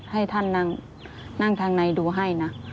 ให้ท่านนั่งทางในดูให้นะ